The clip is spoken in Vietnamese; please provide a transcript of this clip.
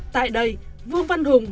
tại đây vương văn hùng